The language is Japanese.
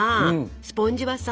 スポンジはさ